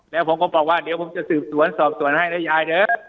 แล้วผมก็บอกว่าเดี๋ยวผมจะสืบสวนสอบสวนให้นะยายเถอะ